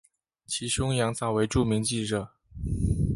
其兄羊枣为著名记者。